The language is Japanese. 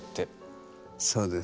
そうです。